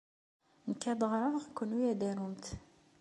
Nekk ad d-ɣreɣ, kenwi ad tarumt.